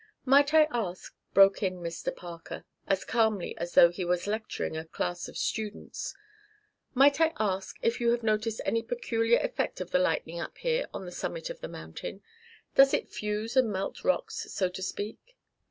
"Might I ask," broke in Mr. Parker, as calmly as though he was lecturing to a class of students, "might I ask if you have noticed any peculiar effect of the lightning up here on the summit of the mountain? Does it fuse and melt rocks, so to speak?"